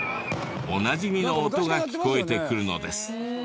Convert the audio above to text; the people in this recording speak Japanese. おなじみの音が聞こえてくるのです。